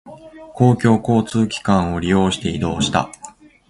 公共交通機関を利用して移動した。